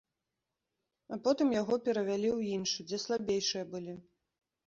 А потым яго перавялі ў іншы, дзе слабейшыя былі.